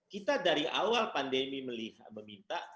kita dari awal pandemi meminta